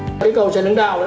cây cầu trần hưng đạo